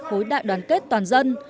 khối đại đoàn kết toàn dân